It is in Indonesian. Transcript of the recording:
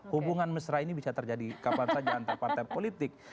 hubungan mesra ini bisa terjadi kapan saja antar partai politik